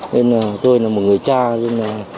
nên là tôi là một người cha nên là